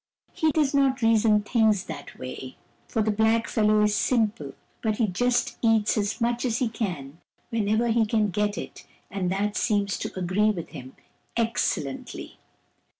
He does not reason things that way, for the blackfellow is simple, but he just eats as much as he can whenever he can get it, and that seems to agree with him excellently.